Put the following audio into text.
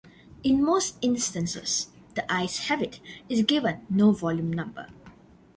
In most instances, "The Eyes Have It" is given no volume number.